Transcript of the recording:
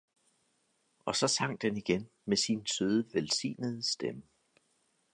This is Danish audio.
og så sang den igen med sin søde, velsignede stemme.